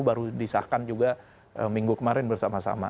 baru disahkan juga minggu kemarin bersama sama